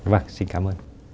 vâng xin cảm ơn